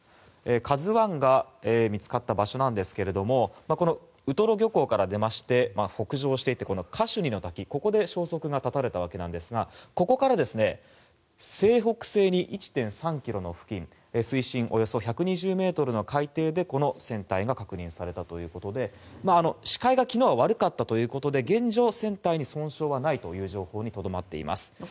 「ＫＡＺＵ１」が見つかった場所ですがウトロ漁港から出まして北上していってカシュニの滝で消息が絶たれたわけですがここから西北西に１．３ｋｍの付近水深およそ１２０ｍの海底でこの船体が確認されたということで視界が昨日は悪かったということで現状は船体に損傷はないという情報にとどまっています。